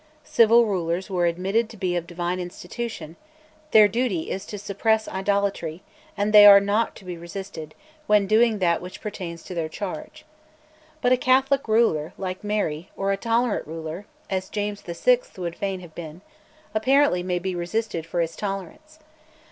Civil rulers were admitted to be of divine institution, their duty is to "suppress idolatry," and they are not to be resisted "when doing that which pertains to their charge." But a Catholic ruler, like Mary, or a tolerant ruler, as James VI. would fain have been, apparently may be resisted for his tolerance.